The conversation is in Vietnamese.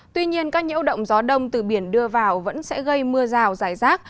tuy nhiên các nhiễu động gió đông từ biển đưa vào vẫn sẽ gây mưa rào dài rác